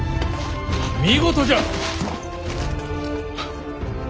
見事じゃ！